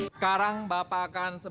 sepertinya bakal berhasil